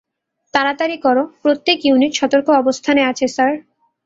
তাড়াতাড়ি করো প্রত্যেক ইউনিট সর্তক অবস্থানে আছে স্যার।